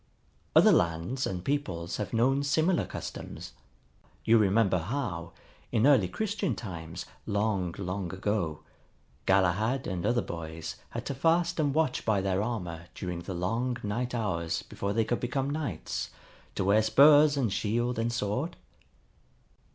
Other lands and peoples have known similar customs. You remember how, in early Christian times, long, long ago, Galahad and other boys had to fast and watch by their armor during the long night hours before they could become knights, to wear spurs and shield and sword?